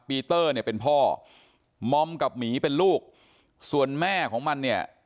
ปีเตอร์เนี่ยเป็นพ่อมอมกับหมีเป็นลูกส่วนแม่ของมันเนี่ย